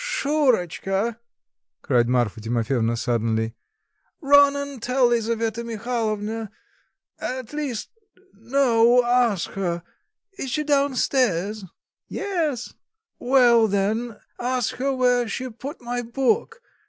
"Shurotchka!" cried Marfa Timofyevna suddenly, "run and tell Lisaveta Mihalovna, at least, no, ask her... is she down stairs?" "Yes." "Well, then; ask her where she put my book?